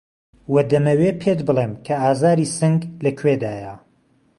وە دەمەوێ پێت بڵێم کە ئازاری سنگ لە کوێدایه